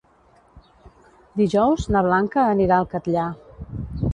Dijous na Blanca anirà al Catllar.